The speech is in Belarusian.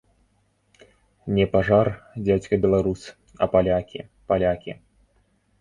Не пажар, дзядзька беларус, а палякі, палякі!